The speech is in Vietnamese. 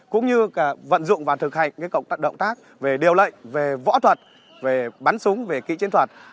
cũng như vận dụng và thực hành động tác về điều lệnh võ thuật bắn súng kỹ chiến thuật